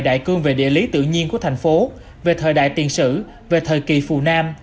đại cương về địa lý tự nhiên của thành phố về thời đại tiền sử về thời kỳ phù nam